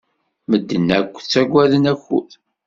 Medden akk ttaggaden akud.